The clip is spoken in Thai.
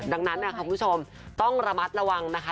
ดังนั้นคุณผู้ชมต้องระมัดระวังนะคะ